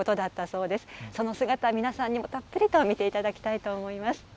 その姿、皆さんにもたっぷり見ていただきたいと思います。